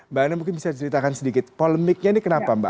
mbak anna mungkin bisa diceritakan sedikit polemiknya ini kenapa mbak